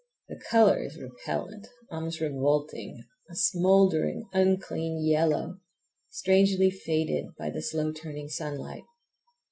The color is repellant, almost revolting; a smouldering, unclean yellow, strangely faded by the slow turning sunlight.